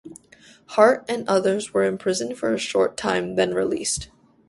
Hart and the others were imprisoned for a short time, then released.